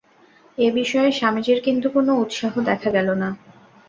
এ-বিষয়ে স্বামীজীর কিন্তু কোন উৎসাহ দেখা গেল না।